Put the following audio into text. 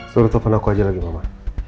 suruh telfon aku aja lagi mama